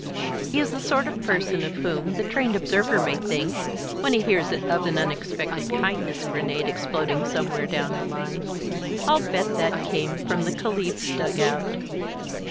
He is the sort of person of whom the trained observer may think, when he hears an unexpected kindness grenade exploding somewhere down the line, "I'll bet that came from the Caliph's dugout!"